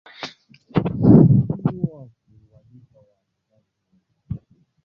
kushindwa kuwalipa waagizaji wa mafuta ruzuku yao